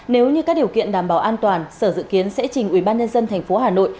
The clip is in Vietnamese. nếu như các điều kiện đảm bảo an toàn sở dự kiến sẽ trình ubnd tp hà nội